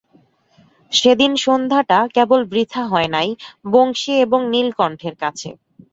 সেদিন সন্ধ্যাটা কেবল বৃথা হয় নাই বংশী এবং নীলকণ্ঠের কাছে।